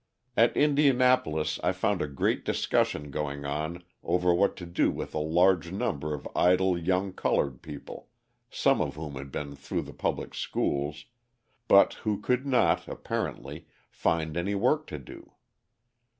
At Indianapolis I found a great discussion going on over what to do with the large number of idle young coloured people, some of whom had been through the public schools, but who could not, apparently, find any work to do.